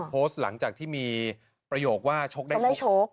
พูดหลังจากที่มีประโยคว่าชกได้ชก